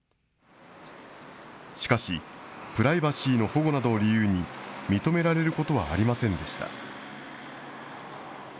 しかし、プライバシーの保護などを理由に認められることはありませんでした。